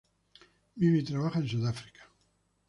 Vive y trabaja en Sudáfrica.